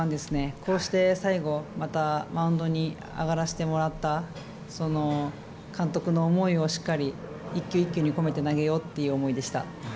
こうして最後、またマウンドに上がらせてもらったその監督の思いをしっかり１球１球に込めて投げようという思いでした。